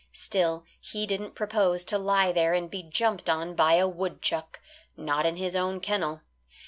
Still, he didn't propose to lie there and be jumped on by a woodchuck not in his own kennel.